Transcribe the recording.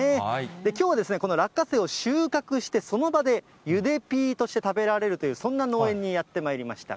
きょうは、この落花生を収穫して、その場でゆでピーとして食べられるという、そんな農園にやってまいりました。